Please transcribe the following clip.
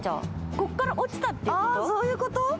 ここから落ちたってこと？